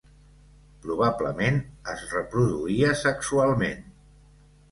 Probablement, es reproduïa sexualment.